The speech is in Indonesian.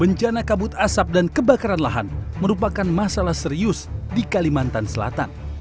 bencana kabut asap dan kebakaran lahan merupakan masalah serius di kalimantan selatan